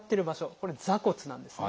これ「座骨」なんですね。